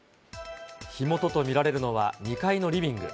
火元と見られるのは２階のリビング。